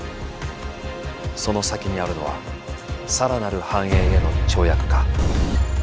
その先にあるのは更なる繁栄への跳躍か。